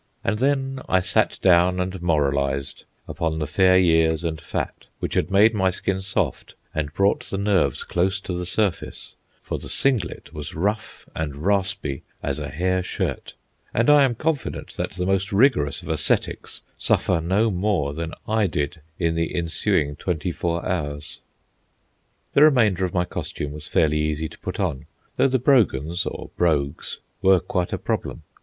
And then I sat down and moralised upon the fair years and fat, which had made my skin soft and brought the nerves close to the surface; for the singlet was rough and raspy as a hair shirt, and I am confident that the most rigorous of ascetics suffer no more than I did in the ensuing twenty four hours. The remainder of my costume was fairly easy to put on, though the brogans, or brogues, were quite a problem.